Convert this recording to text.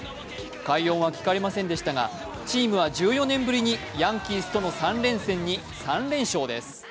快音は聞かれませんでしたがチームは１４年ぶりにヤンキースとの３連戦に３連勝です。